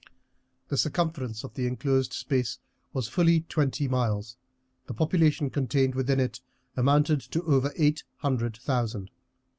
The circumference of the inclosed space was fully twenty miles; the population contained within it amounted to over eight hundred thousand.